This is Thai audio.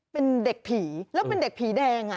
เป็นเด็กผีแล้วเป็นเด็กผีแดง